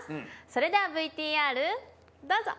それではＶＴＲどうぞ！